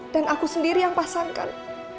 dan aku sendiri yang pasangkan